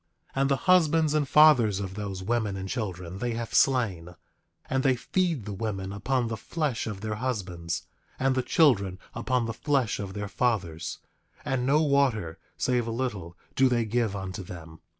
9:8 And the husbands and fathers of those women and children they have slain; and they feed the women upon the flesh of their husbands, and the children upon the flesh of their fathers; and no water, save a little, do they give unto them.